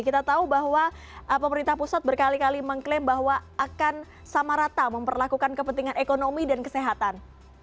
kita tahu bahwa pemerintah pusat berkali kali mengklaim bahwa akan sama rata memperlakukan kepentingan ekonomi dan kesehatan